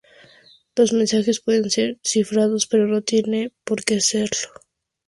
Los mensajes pueden ser cifrados, pero no tiene por que serlo.